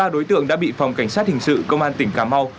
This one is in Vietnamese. một mươi ba đối tượng đã bị phòng cảnh sát hình sự công an tỉnh cà mau